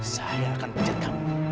saya akan pijat kamu